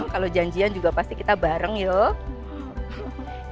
kalau janjian juga pasti kita bareng yuk